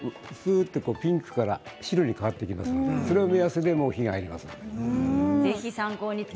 ピンクから白に変わってきますのでそれが目安で火が入っていますので。